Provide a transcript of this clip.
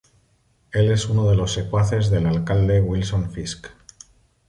Él es uno de los secuaces del alcalde Wilson Fisk.